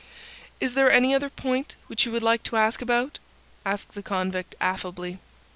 "Is there any other point which you would like to ask about?" asked the convict, affably.